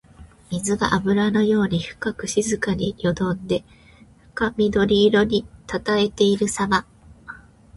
水があぶらのように深く静かによどんで深緑色にたたえているさま。